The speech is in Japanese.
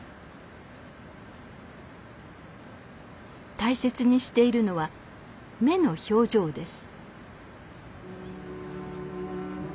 大切にしているのは目の表情です。